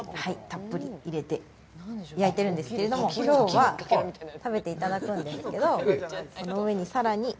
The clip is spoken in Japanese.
たっぷり入れて焼いているんですけれども、きょうは食べていただくんですけど、この上にさらに。